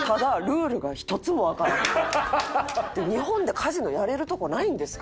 「日本でカジノやれるとこないんですか？」